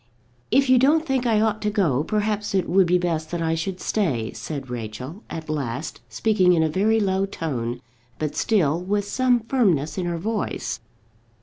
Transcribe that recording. "If you don't think I ought to go, perhaps it would be best that I should stay," said Rachel, at last, speaking in a very low tone, but still with some firmness in her voice.